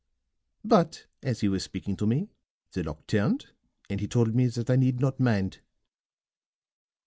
But as he was speaking to me, the lock turned, and he told me that I need not mind."